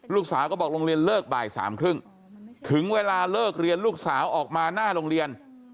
ลูกสาวก็บอกโรงเรียนเลิกบ่ายสามครึ่งถึงเวลาเลิกเรียนลูกสาวออกมาหน้าโรงเรียน